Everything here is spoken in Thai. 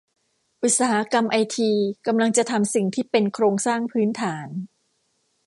อุตสาหกรรมไอทีกำลังจะทำสิ่งที่เป็นโครงสร้างพื้นฐาน